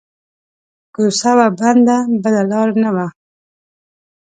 کو څه وه بنده بله لار نه وه